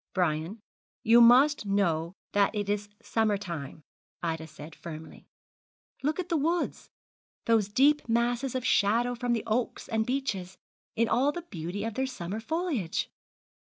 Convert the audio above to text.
'Brian, you must know that it is summer time,' Ida said, firmly. 'Look at the woods those deep masses of shadow from the oaks and beeches in all the beauty of their summer foliage.